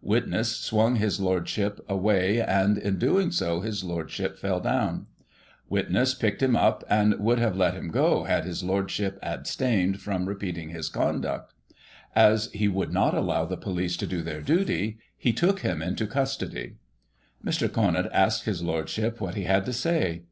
Witness swung his Lordship away, and, in doing so, his Lordship fell down. Witness picked him up, and would have let him go had his Lordship abstained Digiti ized by Google 1838] POLICE CASES. 37 from repeating his conduct As he would not allow the police to do their duty, he took him into custody. Mr. Conant asked his Lordship what he had to say.?